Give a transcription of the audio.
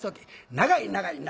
長い長い縄。